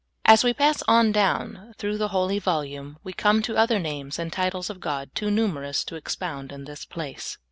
As we pass on down through the holy volume, we come to other names and titles of God too numerous to expound in this place.